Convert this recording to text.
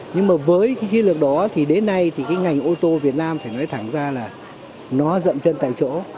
nhưng mà với cái chiến lược đó thì đến nay thì cái ngành ô tô việt nam phải nói thẳng ra là nó dậm chân tại chỗ